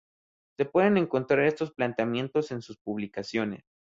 Se pueden encontrar estos planteamientos en sus publicaciones